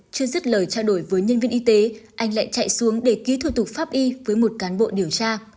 chưa dứt lời trao đổi với nhân viên y tế anh lại chạy xuống để ký thủ tục pháp y với một cán bộ điều tra